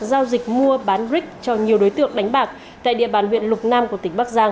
giao dịch mua bán rick cho nhiều đối tượng đánh bạc tại địa bàn huyện lục nam của tỉnh bắc giang